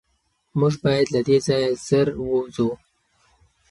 موږ باید له دې ځایه زر ووځو.